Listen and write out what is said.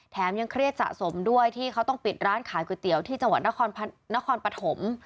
ยังเครียดสะสมด้วยที่เขาต้องปิดร้านขายก๋วยเตี๋ยวที่จังหวัดนครปฐม